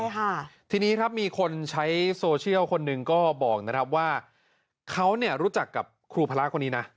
ใช่ค่ะทีนี้ครับมีคนใช้โซเชียลคนหนึ่งก็บอกนะครับว่าเขาเนี่ยรู้จักกับครูพระคนนี้นะ